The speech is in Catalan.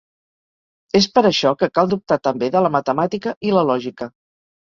És per això que cal dubtar també de la Matemàtica i la Lògica.